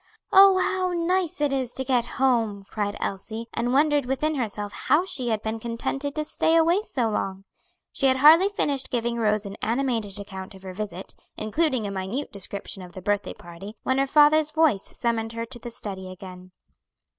"Oh, how nice it is to get home!" cried Elsie, and wondered within herself how she had been contented to stay away so long. She had hardly finished giving Rose an animated account of her visit, including a minute description of the birthday party, when her father's voice summoned her to the study again.